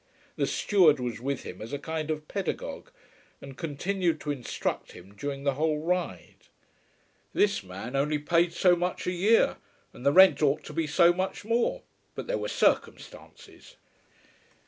The steward was with him as a kind of pedagogue, and continued to instruct him during the whole ride. This man only paid so much a year, and the rent ought to be so much more; but there were circumstances.